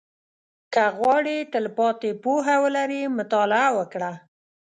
• که غواړې تلپاتې پوهه ولرې، مطالعه وکړه.